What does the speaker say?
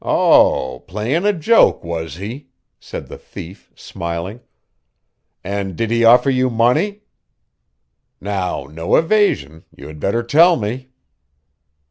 "Oh, playing a joke, was he?" said the thief, smiling. "And did he offer you money. Now, no evasion you had better tell me."